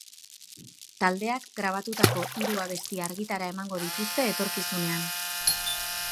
Taldeak grabatutako hiru abesti argitara emango dituzte etorkizunean.